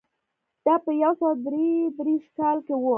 دا په یو سوه درې دېرش کال کې و